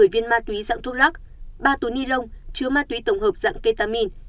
một mươi viên ma túy dạng thuốc lắc ba túi ni lông chứa ma túy tổng hợp dạng ketamin